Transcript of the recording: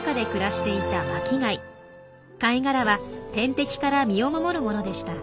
貝殻は天敵から身を守るものでした。